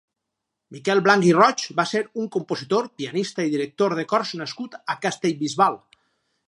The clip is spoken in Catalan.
Miquel Blanch i Roig va ser un compositor, pianista i director de cors nascut a Castellbisbal.